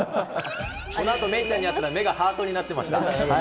このあと芽生ちゃんに会ったら、目がハートになってました。